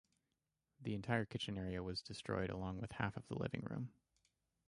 The entire kitchen area was destroyed along with half of the living room.